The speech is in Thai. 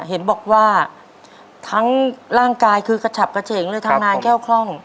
เห็นบอกว่าทั้งร่างกายคือกระฉับกระเฉงเลยทำงานแก้วคล่อง